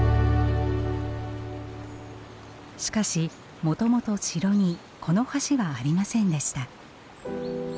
しかしもともと城にこの橋はありませんでした。